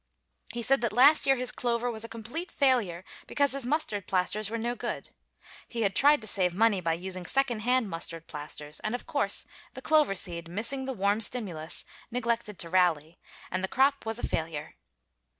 He said that last year his clover was a complete failure because his mustard plasters were no good. He had tried to save money by using second hand mustard plasters, and of course the clover seed, missing the warm stimulus, neglected to rally, and the crop was a failure.